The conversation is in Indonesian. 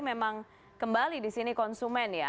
memang kembali di sini konsumen ya